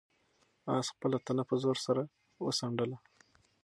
آس خپله تنه په زور سره وڅنډله.